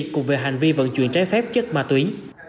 cùng về hành vi vận chuyển trái phép chất ma túy